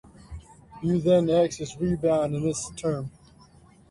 U then x is rebound in this term.